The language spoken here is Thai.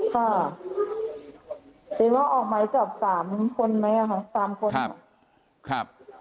หรือว่าออกหมายจับ๓คนไหมครับ๓คน